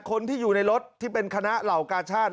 คนที่อยู่ในรถที่เป็นคณะเหล่ากาชาติ